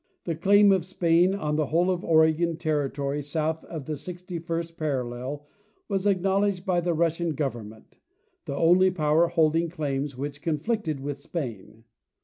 The claim of Spain to the whole of Oregon territory south of the sixty first parallel was acknowledged by the Russian goy ernment, the only power holding claims which conflicted with Spain.